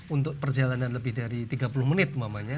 untuk perjalanan lebih dari tiga puluh menit umpamanya